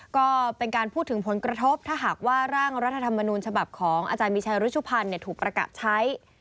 ก็เป็นการพูดถึงผลกระทบถ้าหากว่าร่างรัฐธรรมนูญฉบับของอาจารย์มีชัยรุชุพันธ์ถูกประกาศใช้